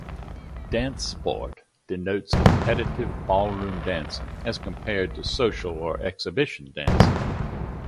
Dancesport denotes competitive Ballroom dancing as compared to social or exhibition dancing.